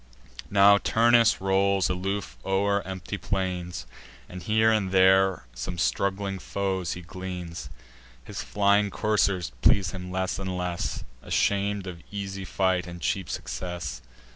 Now Turnus rolls aloof o'er empty plains, And here and there some straggling foes he gleans. His flying coursers please him less and less, Asham'd of easy fight and cheap success.